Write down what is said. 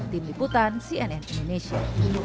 tim liputan cnn indonesia